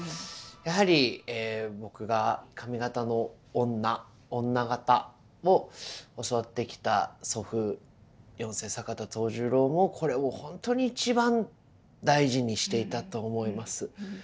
やはり僕が上方の女女方を教わってきた祖父四世坂田藤十郎もこれを本当に一番大事にしていたと思います。